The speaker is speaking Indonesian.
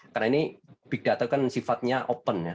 karena ini big data kan sifatnya open ya